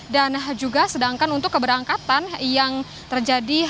dan juga sedangkan untuk keberangkatan yang terjadi